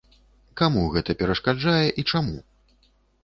Каму гэта перашкаджае і чаму?